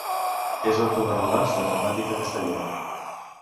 És autor de relats de temàtica castellera.